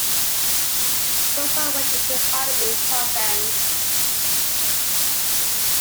Boso went into hiding in Provence.